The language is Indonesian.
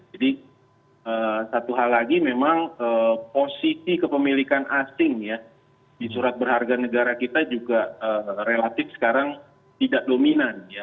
jadi satu hal lagi memang posisi kepemilikan asing ya di surat berharga negara kita juga relatif sekarang tidak lominan ya